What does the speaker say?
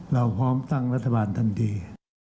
เราพร้อมตั้งรัฐบาลทันที